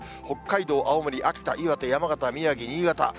北海道、青森、秋田、岩手、山形、宮城、新潟。